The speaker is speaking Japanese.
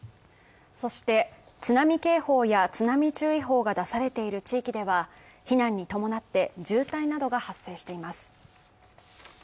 そして、津波警報や津波注意報が出されている地域では避難に伴って、渋滞などが発生しています。